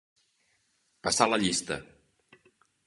Passar la llista.